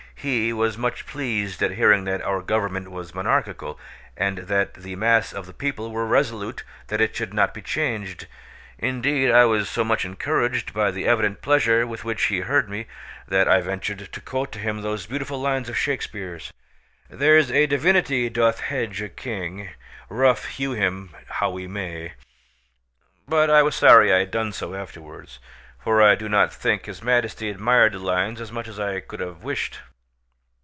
He was much pleased at hearing that our government was monarchical, and that the mass of the people were resolute that it should not be changed; indeed, I was so much encouraged by the evident pleasure with which he heard me, that I ventured to quote to him those beautiful lines of Shakespeare's— "There's a divinity doth hedge a king, Rough hew him how we may;" but I was sorry I had done so afterwards, for I do not think his Majesty admired the lines as much as I could have wished.